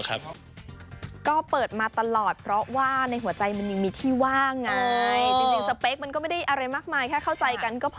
แค่เข้าใจกันก็พอ